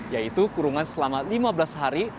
yaitu kurungan selama lima belas hari